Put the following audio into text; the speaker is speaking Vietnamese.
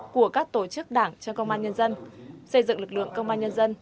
của các tổ chức đảng cho công an nhân dân xây dựng lực lượng công an nhân dân